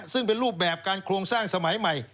ซึ่งเป็นรูปแบบการโครงสร้างสมัยใหม่